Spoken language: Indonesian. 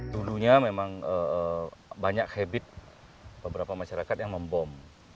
dulunya memang banyak habit beberapa masyarakat yang membom